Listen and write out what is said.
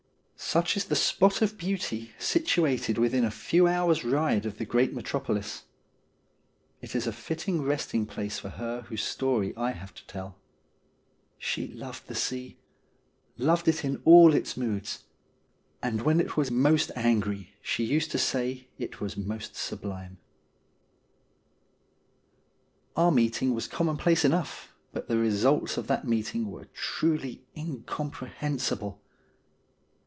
Such is the spot of beauty situated within a few hours' ride of the great Metropolis. It is a fitting resting place for her whose story I have to tell. She loved the sea, loved it in all its moods ; and when it was most angry she used to say it was most sublime. RUTH 151 Our meeting was commonplace enough, but the results of that meeting were truly incomprehensible.